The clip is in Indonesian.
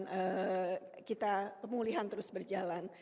dan kita pemulihan terus berjalan